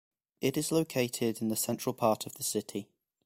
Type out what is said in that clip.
It is located in the central part of the city.